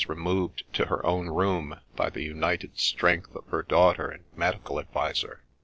117 removed to her own room by the united strength of her daughter and medical adviser.